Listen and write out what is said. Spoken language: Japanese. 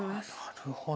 なるほど。